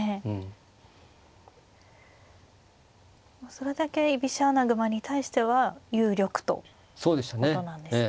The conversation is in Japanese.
それだけ居飛車穴熊に対しては有力ということなんですね。